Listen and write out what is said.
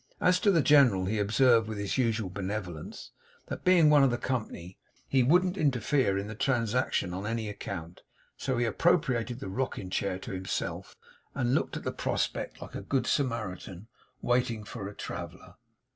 As to the General, he observed, with his usual benevolence, that being one of the company, he wouldn't interfere in the transaction on any account; so he appropriated the rocking chair to himself, and looked at the prospect, like a good Samaritan waiting for a traveller.